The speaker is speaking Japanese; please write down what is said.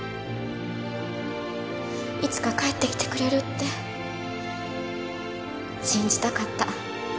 いつか帰ってきてくれるって信じたかった。